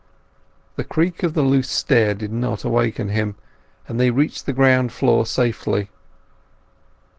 The creak of the loose stair did not awaken him, and they reached the ground floor safely.